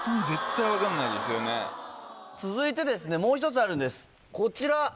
続いてもう一つあるんですこちら。